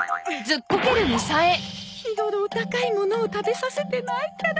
日頃お高いものを食べさせてないから。